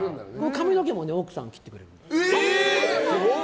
髪の毛も奥さんが切ってくれるんですよ。